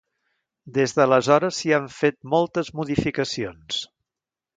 Des d'aleshores s'hi han fet moltes modificacions.